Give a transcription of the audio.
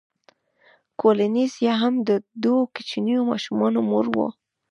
کولینز هم د دوو کوچنیو ماشومانو مور وه.